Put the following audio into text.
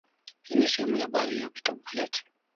Hii ni sehemu ya baadhi ya vitabu vyake;